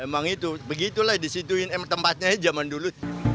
emang itu begitu lah disituin tempatnya zaman dulu